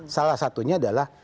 salah satunya adalah